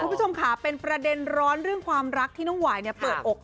คุณผู้ชมค่ะเป็นประเด็นร้อนเรื่องความรักที่น้องหวายเปิดอก